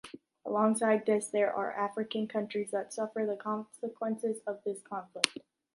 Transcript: Alongside this, these are the African countries that suffer the consequences of this conflict.